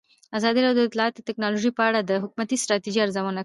ازادي راډیو د اطلاعاتی تکنالوژي په اړه د حکومتي ستراتیژۍ ارزونه کړې.